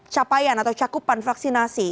capaian atau cekupan vaksinasi